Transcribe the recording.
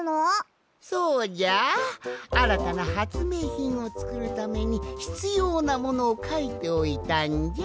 そうじゃあらたなはつめいひんをつくるためにひつようなものをかいておいたんじゃ。